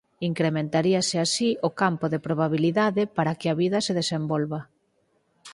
Incrementaríase así o campo de probabilidade para que a vida se desenvolva.